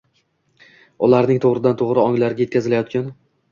ularning to‘g‘ridan-to‘g‘ri onglariga yetkazilayotgan...